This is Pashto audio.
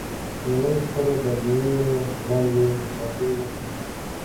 نړۍ سترو بدلونونو وړاندې غبرګون نه ښيي